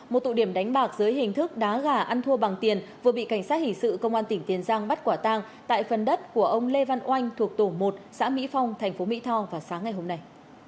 một tụ điểm đánh bạc dưới hình thức đá gà ăn thua bằng tiền vừa bị cảnh sát hình sự công an tỉnh tiền giang bắt quả tang tại phần đất của ông lê văn oanh thuộc tổ một xã mỹ phong tp mỹ tho vào sáng ngày hôm nay